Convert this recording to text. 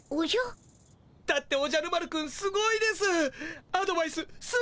だっておじゃる丸くんすごいです。